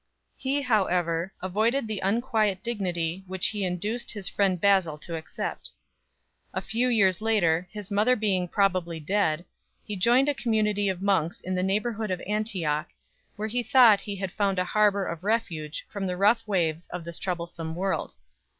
He however avoided the unquiet dignity which he induced his friend Basil to accept. A few years later, his mother being probably dead, he joined a community of monks in the neighbourhood of Antioch, where he thought he had found a harbour of refuge from the rough waves of this troublesome world.